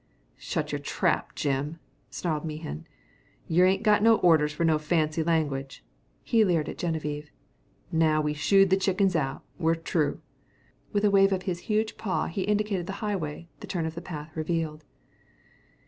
"Shut your trap, Jim," snarled Mehan. "Yer ain't got no orders fer no fancy language." He leered at Geneviève. "Now we've shooed the chickens out, we're tru'." With a wave of his huge paw he indicated the highway the turn of the path revealed.